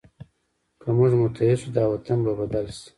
که موږ متحد شو، دا وطن به بدل شي.